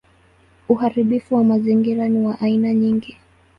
Uharibifu wa mazingira ni wa aina nyingi.